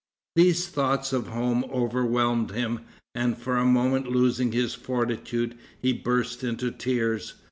These thoughts of home overwhelmed him, and, for a moment losing his fortitude, he burst into tears.